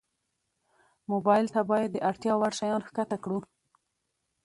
موبایل ته باید د اړتیا وړ شیان ښکته کړو.